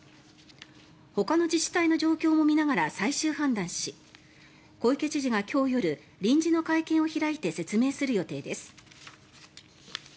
ほかの自治体の状況も見ながら最終判断し、小池知事が今日夜臨時の会見を開いて説明する予定です。